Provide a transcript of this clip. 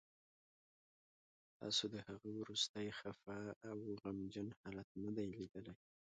تاسو د هغه وروستی خفه او غمجن حالت نه دی لیدلی